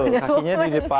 kakinya di depan